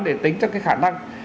để tính cho cái khả năng